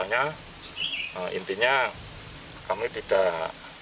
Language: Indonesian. intinya kami tidak ingin ada kata kata yang menyebabkan kata kata ini